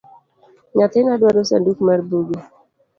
Nyathina dwaro sanduk mar buge